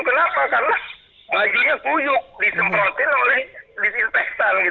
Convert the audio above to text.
kenapa karena bajunya kuyuk disemprotin oleh disinfektan